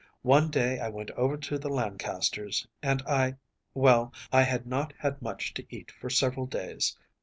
One day I went over to the Lancasters’, and I well, I had not had much to eat for several days.